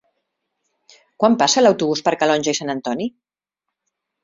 Quan passa l'autobús per Calonge i Sant Antoni?